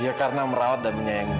ya karena merawat dan menyayangi